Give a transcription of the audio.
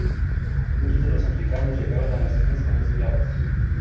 Muchos de los africanos llegaron a las islas como esclavos.